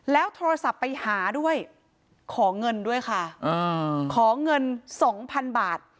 แล้วโทรศัพท์ไปหาด้วยขอเงินด้วยค่ะขอเงินสองพันบาท